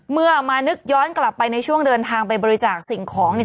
เมื่อมานึกย้อนกลับไปในช่วงเดินทางไปบริจาคสิ่งของเนี่ย